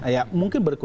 ya mungkin berkurang